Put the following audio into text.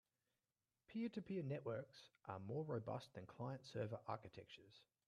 Peer-to-peer networks are more robust than client-server architectures.